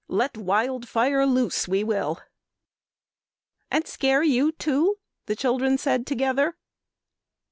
Let wild fire loose we will...." "And scare you too?" the children said together.